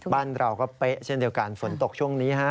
บ้านเราก็เป๊ะเช่นเดียวกันฝนตกช่วงนี้ฮะ